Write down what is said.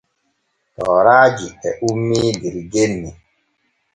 Tooraaji e ummii der genni.